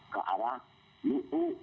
ke arah niu